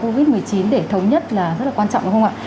covid một mươi chín để thống nhất là rất là quan trọng đúng không ạ